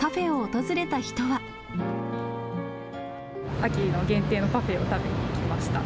秋の限定のパフェを食べに来ました。